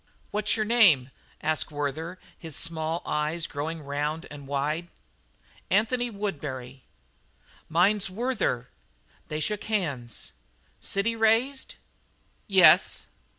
"What's your name?" asked Werther, his small eyes growing round and wide. "Anthony Woodbury." "Mine's Werther." They shook hands. "City raised?" "Yes."